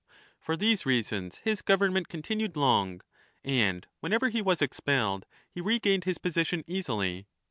For these reasons his government continued long, and whenever he was expelled he regained his position easily.